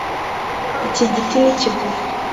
iki giti ni kigufi